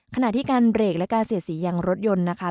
ขณะที่การเบรกและการเสียสียังรถยนต์นะคะ